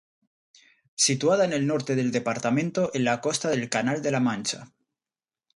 Situada en el norte del departamento, en la costa del Canal de la Mancha.